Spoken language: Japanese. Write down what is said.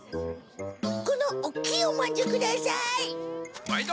このおっきいおまんじゅう下さい。